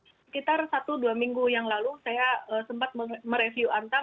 sekitar satu dua minggu yang lalu saya sempat mereview antam